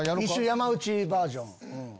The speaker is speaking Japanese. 山内バージョン。